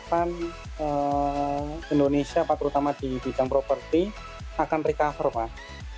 terutama di bidang properti akan recover pak